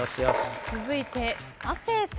続いて亜生さん。